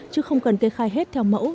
chứ không cần kê khai hết theo mẫu